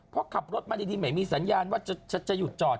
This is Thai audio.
เพราะขับรถมาดีไม่มีสัญญาณว่าจะหยุดจอด